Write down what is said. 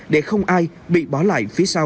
để không ai bị bỏ lại phía sau